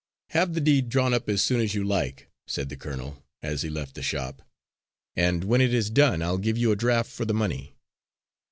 "Have the deed drawn up as soon as you like," said the colonel, as he left the shop, "and when it is done I'll give you a draft for the money."